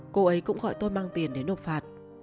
cô ấy cũng gọi tôi mang tiền đến nộp phạt